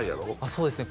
そうですね